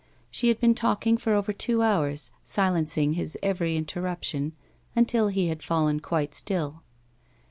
She had been talking for over two hours, silencing his every interruption until he had fallen quite still.